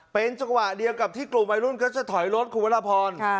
เป็นจังหวะเดียวกับที่กลุ่มวัยรุ่นเขาจะถอยรถคุณวรพร